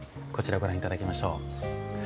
こちらご覧頂きましょう。